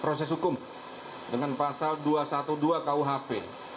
proses hukum dengan pasal dua ratus dua belas kuhp